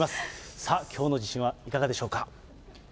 さあ、きょうの自信はいかがでしょうか。